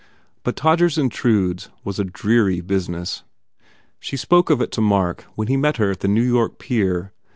But "Todgers Intrudes" was a dreary business. She spoke of it to Mark when he met her at the New York pier.